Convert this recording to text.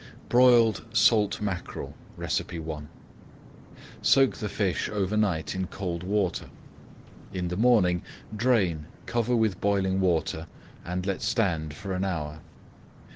BROILED SALT MACKEREL I Soak the fish over night in cold water. In the morning drain, cover with boiling water, and let stand for an hour.